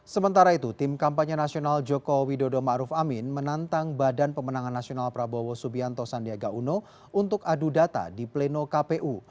sementara itu tim kampanye nasional joko widodo ⁇ maruf ⁇ amin menantang badan pemenangan nasional prabowo subianto sandiaga uno untuk adu data di pleno kpu